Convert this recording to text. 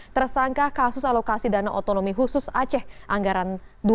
tersangka kasus alokasi dana otonomi khusus aceh anggaran dua ribu dua puluh